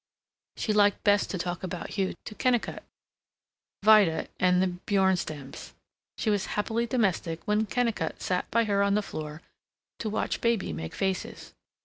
She liked best to talk about Hugh to Kennicott, Vida, and the Bjornstams. She was happily domestic when Kennicott sat by her on the floor, to watch baby make faces.